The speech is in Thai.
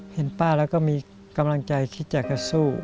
เห็นป้าแล้วก็มีกำลังใจที่จะกระสู้